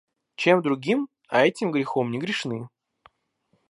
Чем другим, а этим грехом не грешны.